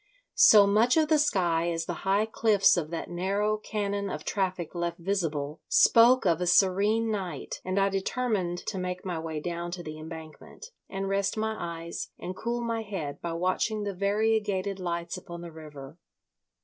So much of the sky as the high cliffs of that narrow canon of traffic left visible spoke of a serene night, and I determined to make my way down to the Embankment, and rest my eyes and cool my head by watching the variegated lights upon the river.